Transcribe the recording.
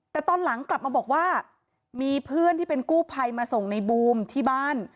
แต่ตอนหลังกลับมาบอกว่ามีเพื่อนที่เป็นกู้ภัยมาส่งในบูมที่บ้าน